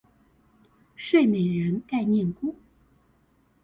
睡美人概念股